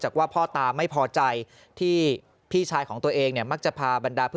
จากว่าพ่อตาไม่พอใจที่พี่ชายของตัวเองมักจะพาบรรดา